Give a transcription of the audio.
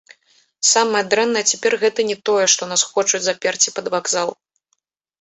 Самае дрэннае цяпер гэта не тое, што нас хочуць заперці пад вакзал.